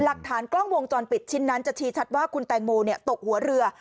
หลักฐานกล้องวงจรปิดชิ้นนั้นจะชี้ชัดว่าคุณแตงโมตกหัวเรือ